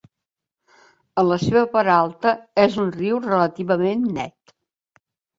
En la seva part alta és un riu relativament net.